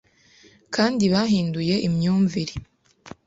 kandi bahinduye imyumvire